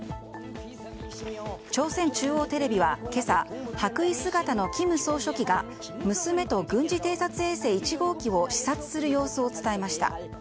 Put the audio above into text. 朝鮮中央テレビは今朝白衣姿の金総書記が娘と軍事偵察衛星１号機を視察する様子を伝えました。